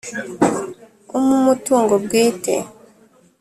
Umu mutungo bwite.